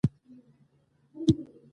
په هر مجلس کې د قیامت نښانې خبرې کېدې.